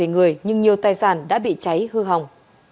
người nhưng nhiều tài sản đã bị cháy hư hỏng